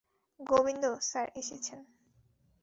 Govinda, sir এসেছেন।